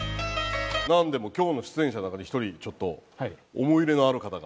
なんでも今日の出演者の中に１人ちょっと思い入れのある方が。